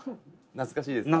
「懐かしいですね」